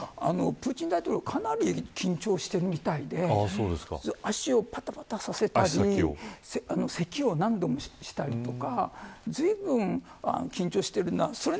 プーチン大統領かなり緊張しているみたいで足をぱたぱたさせたりせきを何度もしたりとかずいぶん緊張しているなと。